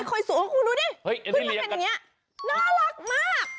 เผยสูงคุณดูดิเพิ่งมันเป็นอย่างนี้น่ารักมาก